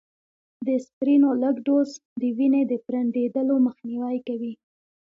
د اسپرينو لږ ډوز، د وینې د پرنډېدلو مخنیوی کوي